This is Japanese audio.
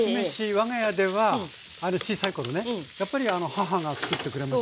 我が家では小さい頃ねやっぱり母がつくってくれましたけども。